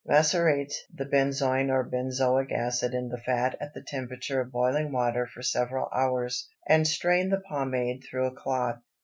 Macerate the benzoin or benzoic acid in the fat at the temperature of boiling water for several hours, and strain the pomade through a cloth.